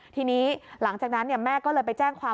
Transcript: ทีนี้หลังจากนั้นแม่ก็เลยไปแจ้งความ